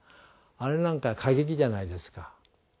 あれなんか過激じゃないですか。